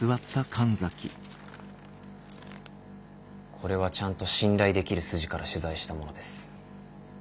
これはちゃんと信頼できる筋から取材したものです。